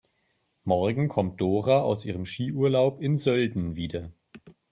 Morgen kommt Dora aus ihrem Skiurlaub in Sölden wieder.